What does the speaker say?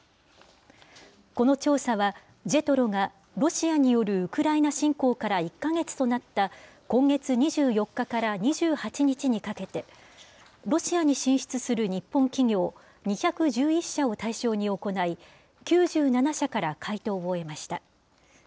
この調査は、ＪＥＴＲＯがロシアによるウクライナ侵攻から１か月となった、今月２４日から２８日にかけて、ロシアに進出する日本企業２１１社を対象に行い、９７社から回答を得ました。